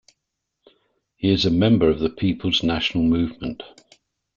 He is a member of the People's National Movement.